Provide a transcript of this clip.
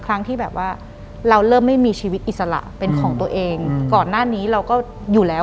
หลังจากนั้นเราไม่ได้คุยกันนะคะเดินเข้าบ้านอืม